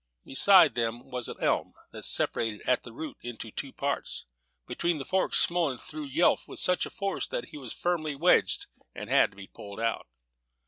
Beside them was an elm, that separated at the root into two parts. Between the forks Smullen threw Yelf with such force, that he was firmly wedged, and had to be pulled out.